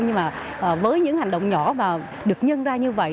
nhưng mà với những hành động nhỏ mà được nhân ra như vậy